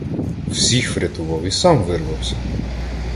Всіх урятував і сам вирвався!